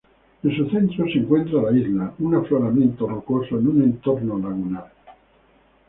En su centro se encuentra la isla, un afloramiento rocoso en un entorno lagunar.